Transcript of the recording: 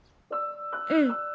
うん。